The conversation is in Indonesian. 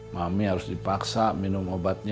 mami harus dipaksa minum obatnya